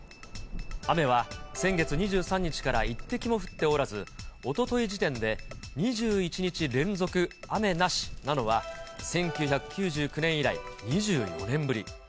雨は先月２３日から一滴も降っておらず、おととい時点で２１日連続雨なしなのは、１９９９年以来、２４年ぶり。